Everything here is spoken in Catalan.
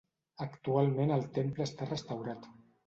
Actualment el temple està restaurat.